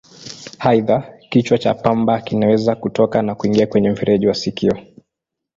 Aidha, kichwa cha pamba kinaweza kutoka na kuingia kwenye mfereji wa sikio.